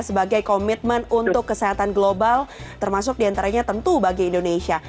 sebagai komitmen untuk kesehatan global termasuk diantaranya tentu bagi indonesia